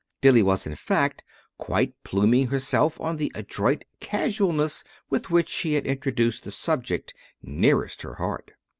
Billy was, in fact, quite pluming herself on the adroit casualness with which she had introduced the subject nearest her heart.